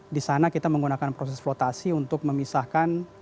disana kita menggunakan proses flotasi untuk memisahkan